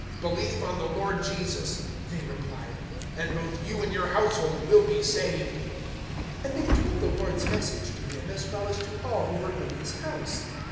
016:031 "Believe on the Lord Jesus," they replied, "and both you and your household will be saved." 016:032 And they told the Lord's Message to him as well as to all who were in his house.